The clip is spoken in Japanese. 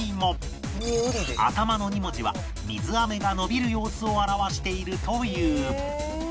頭の２文字は水飴が伸びる様子を表しているという